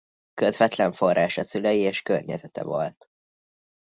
Közvetlen forrása szülei és környezete volt.